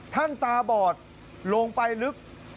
ท่านตาบอดลงไปลึก